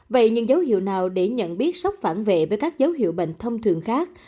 vậy những dấu hiệu nào để nhận biết sốc phản vệ với các dấu hiệu bệnh thông thường khác